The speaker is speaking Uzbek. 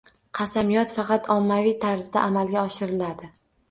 Qasamyod faqat ommaviy tarzda amalga oshiriladi